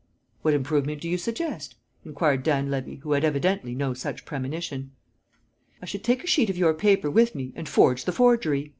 "What improvement do you suggest?" inquired Dan Levy, who had evidently no such premonition. "I should take a sheet of your paper with me, and forge the forgery!"